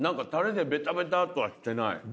たれでベタベタとはしてない。